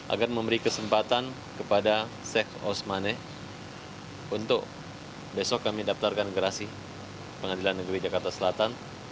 agar memberi kesempatan kepada sheikh osmane untuk besok kami daftarkan gerasi pengadilan negeri jakarta selatan